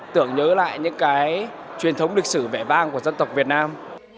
tưởng nhớ lại những cái truyền thống lịch sử vẻ vang của dân tộc việt nam